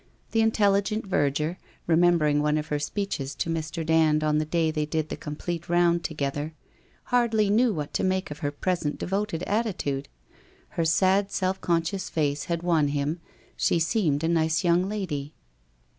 The intelli gent verger, remembering one of her speeches to Mr. Dand on the day they did the complete round together, hardly knew what to make of her present devoted attitude ? Her sad self conscious face had won him, she seemed a nice young lady.